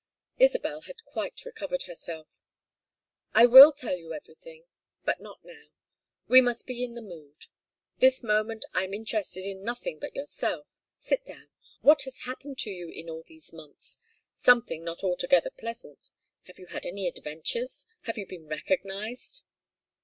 Isabel had quite recovered herself. "I will tell you everything, but not now. We must be in the mood. This moment I am interested in nothing but yourself. Sit down. What has happened to you in all these months? Something not altogether pleasant. Have you had any adventures? Have you been recognized?"